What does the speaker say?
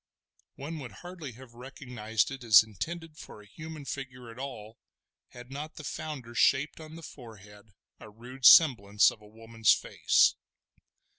One would hardly have recognised it as intended for a human figure at all had not the founder shaped on the forehead a rude semblance of a woman's face.